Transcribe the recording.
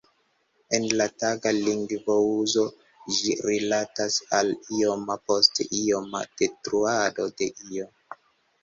En la taga lingvouzo ĝi rilatas al ioma post ioma detruado de io.